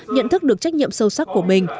nhận thức được trách nhiệm sâu sắc của mình